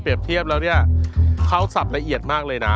เทียบแล้วเนี่ยเข้าสับละเอียดมากเลยนะ